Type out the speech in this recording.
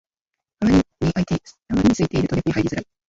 あまりに空いてると逆に入りづらい